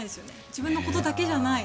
自分のことだけじゃない。